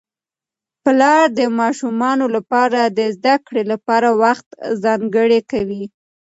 پلار د ماشومانو لپاره د زده کړې لپاره وخت ځانګړی کوي